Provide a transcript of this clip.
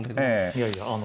いやいや。